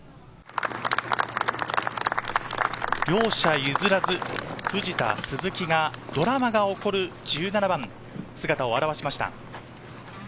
両者譲らず、藤田、鈴木がドラマが起こる１７番に姿を現しました。